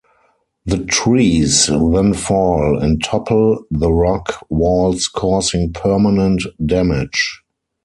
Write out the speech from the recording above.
The trees then fall and topple the rock walls causing permanent damage.